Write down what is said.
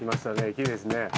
きれいですね。